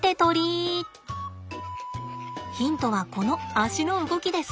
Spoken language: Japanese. ヒントはこの足の動きです。